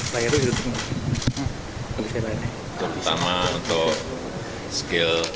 terutama untuk skill